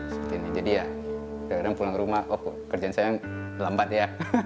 jadi ya kadang kadang pulang rumah kerjaan saya lambat ya